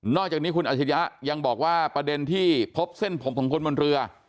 อกจากนี้คุณอาชิริยะยังบอกว่าประเด็นที่พบเส้นผมของคนบนเรือ